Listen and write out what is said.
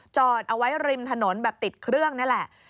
จอดเอาไว้ริมถนนแบบติดเครื่องนี่แหละ